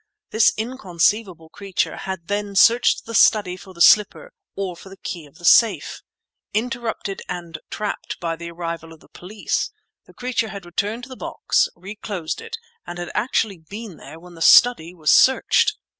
This inconceivable creature had then searched the study for the slipper—or for the key of the safe. Interrupted and trapped by the arrival of the police, the creature had returned to the box, re closed it, and had actually been there when the study was searched!